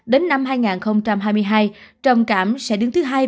đến năm hai nghìn hai mươi hai trầm cảm sẽ đứng thứ hai